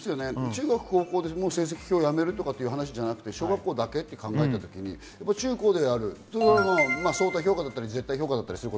中学・高校で成績表をやめるということじゃなくて、小学校だけと考えたときに中高ではある相対評価だったり、絶対評価だったりする。